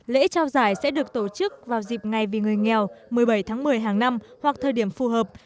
lễ trao giải sẽ được tổ chức vào dịp ngày vì người nghèo một mươi bảy tháng một mươi hàng năm hoặc thời điểm phù hợp